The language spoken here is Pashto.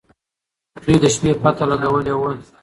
دوی د شپې پته لګولې وه.